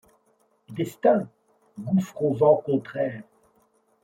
Destin ! gouffre aux vents contraires